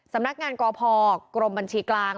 สำนักงานกพกรมบัญชีกลาง